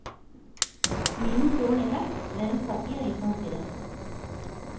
Minutu onenak lehen zatian izan ziren.